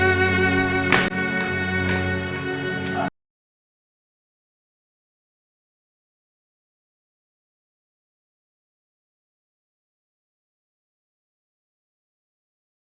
nanti kalau elsa liat kamu sedih